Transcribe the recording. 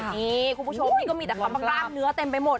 นี่คุณผู้ชมนี่ก็มีแต่คำว่ากล้ามเนื้อเต็มไปหมด